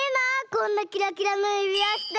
こんなキラキラのゆびわして。